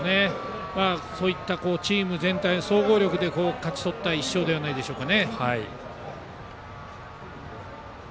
そういったチーム全体の総合力で勝ち取った１勝ではないでしょうか。